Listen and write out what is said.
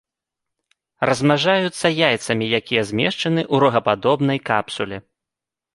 Размнажаюцца яйцамі, якія змешчаны ў рогападобнай капсуле.